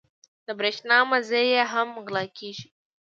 د برېښنا مزي یې هم غلا کېږي.